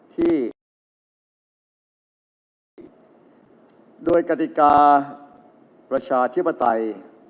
ที่โดยกฎิกาประชาธิปไตย